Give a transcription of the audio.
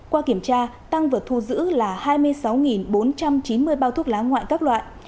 qua kiểm tra tăng vật thu giữ là hai mươi sáu bốn trăm chín mươi bao thuốc lá ngoại các loại